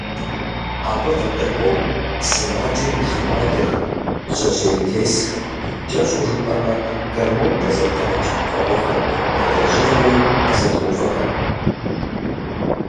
Абы къыдэкӀуэу, сымаджэм и лъхуадэхэм, жьэжьейтесхэм, кӀэщӀу жыпӀэмэ, гормон къызыпкърыкӀ пкъыгъуэхэм я лэжьыгъэри къызэтоувыӀэ.